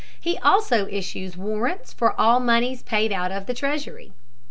He also issues warrants for all moneys paid out of the treasury.